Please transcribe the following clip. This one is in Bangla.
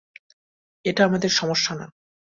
এটা আমাদের সমস্যা না।